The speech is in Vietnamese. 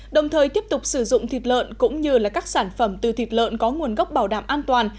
đồng thời tiếp tục sử dụng thịt lợn cũng như các sản phẩm từ thịt lợn có nguồn gốc bảo đảm an toàn